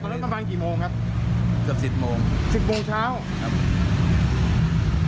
กำลังกำลังกี่โมงครับเกือบสิบโมงสิบโมงเช้าครับ